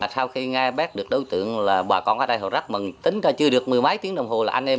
sau khi nghe bác được đối tượng là bà con ở đây họ rất mừng tính ra chưa được mười mấy tiếng đồng hồ là anh em